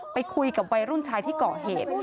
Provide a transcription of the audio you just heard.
ไปคุยกับวัยรุ่นชายที่เกาะเหตุ